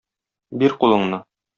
Бир кулыңны!